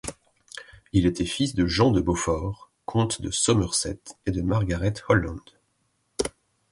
Il était fils de Jean de Beaufort, comte de Somerset et de Margaret Holland.